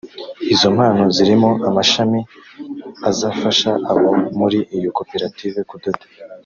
Izo mpano zirimo imashini izafasha abo muri iyo koperative kudoda